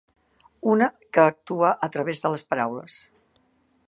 Una que actua a través de les paraules.